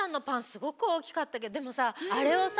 すごくおおきかったけどでもさあれをさ